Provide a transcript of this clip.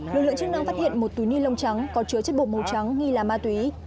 lực lượng chức năng phát hiện một túi ni lông trắng có chứa chất bột màu trắng nghi là ma túy